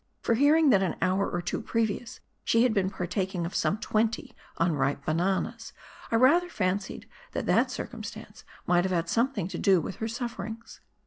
For, hearing that an hour or two previous she had been partaking of some 'twenty unripe bananas, I rather fancied that that circumstance might have had something to do with her sufferings.